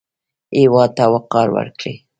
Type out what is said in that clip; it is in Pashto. هېواد ته وقار ورکړئ